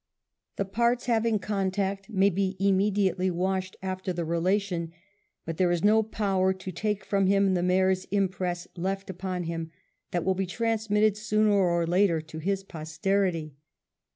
The parts having contact may be immediately washed after the relation, but there is no power to take from him Nthe mare's impress left upon him that will be trans mitted sooner or later to his posterity.